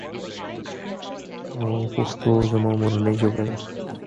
The councillors are councillors-at-large elected for the entire city.